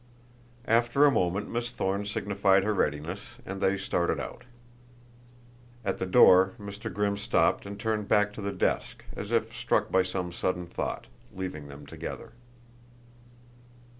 After a moment Miss Thorne signified her readiness, and they started out. At the door Mr. Grimm stopped and turned back to the desk, as if struck by some sudden thought, leaving them together.